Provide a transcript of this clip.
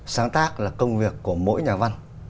sáng tác là công việc của mỗi nhà văn